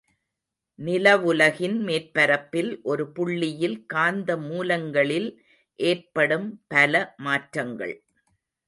நிலவுலகின் மேற்பரப்பில் ஒரு புள்ளியில் காந்த மூலங்களில் ஏற்படும் பலமாற்றங்கள்.